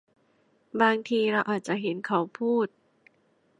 บางที เราอาจจะเห็นเขาพูด